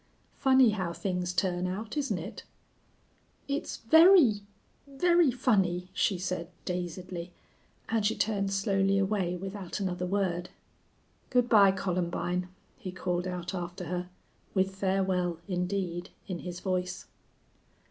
"Funny how things turn out, isn't it?" "It's very very funny," she said, dazedly, and she turned slowly away without another word. "Good by, Columbine," he called out after her, with farewell, indeed, in his voice.